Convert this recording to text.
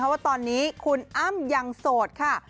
ว่าตอนนี้คุณอ้ำยังโสดค่ะ